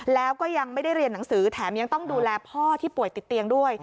แล้วก็ยังไม่ได้เรียนหนังสือแถมยังต้องดูแลพ่อที่ป่วยติดเตียงด้วย